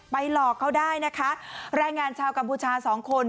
หลอกเขาได้นะคะแรงงานชาวกัมพูชาสองคน